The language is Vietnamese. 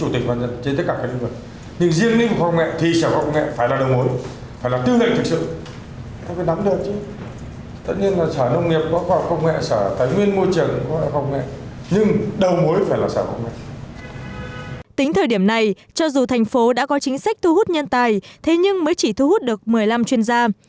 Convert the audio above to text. tính thời điểm này cho dù thành phố đã có chính sách thu hút nhân tài thế nhưng mới chỉ thu hút được một mươi năm chuyên gia